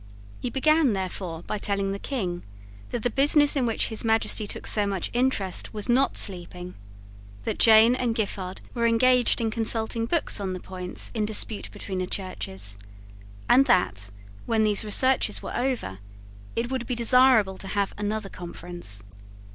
He began, therefore, by telling the King that the business in which His Majesty took so much interest was not sleeping, that Jane and Giffard were engaged in consulting books on the points in dispute between the Churches, and that, when these researches were over, it would be desirable to have another conference.